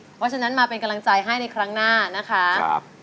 เพราะฉะนั้นมาเป็นกำลังใจให้ในครั้งหน้านะคะ